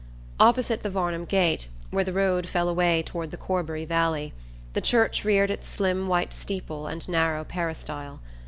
Opposite the Varnum gate, where the road fell away toward the Corbury valley, the church reared its slim white steeple and narrow peristyle.